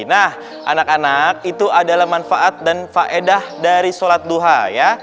nah anak anak itu adalah manfaat dan faedah dari sholat duha ya